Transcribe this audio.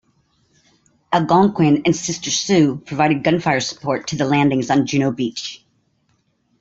"Algonquin" and sister "Sioux" provided gunfire support to the landings on Juno Beach.